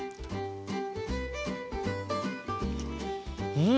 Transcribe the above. うん！